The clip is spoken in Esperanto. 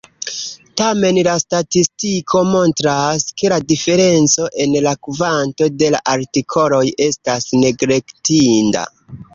Tamen la statistiko montras, ke la diferenco en la kvanto de artikoloj estas neglektinda.